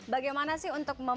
bagaimana sih untuk memenuhi